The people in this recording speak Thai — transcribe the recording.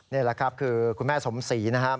นี่แหละครับคือคุณแม่สมศรีนะครับ